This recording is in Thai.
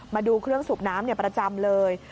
มาดูเครื่องสูบน้ำประจำเลย